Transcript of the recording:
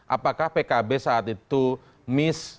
apakah pkb saat itu miss